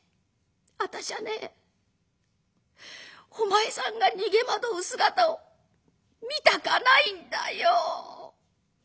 あたしゃねお前さんが逃げ惑う姿を見たかないんだよ。